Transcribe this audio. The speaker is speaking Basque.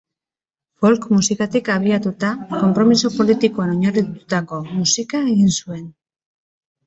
Folk musikatik abiatuta, konpromiso politikoan oinarritutako musika egin zuen.